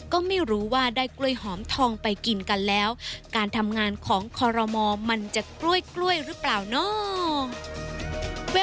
ก็ไม่รู้ว่าได้กล้วยหอมทองไปกินกันแล้วการทำงานของคอรมอมันจะกล้วยกล้วยหรือเปล่าเนาะ